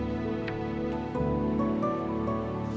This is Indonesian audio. tau gini aku nyesel pergi ke kampus